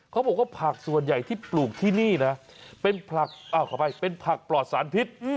เขาบอกว่าผักส่วนใหญ่ที่ปลูกที่นี่นะเป็นผักปลอดสารพิษ